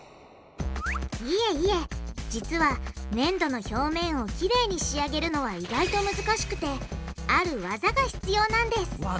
いえいえ実はねんどの表面をきれいに仕上げるのは意外と難しくてある技が必要なんです技？